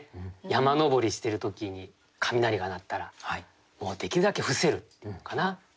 山登りしてる時に雷が鳴ったらできるだけ伏せるっていうのかな。